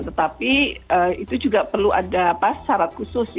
tetapi itu juga perlu ada syarat khusus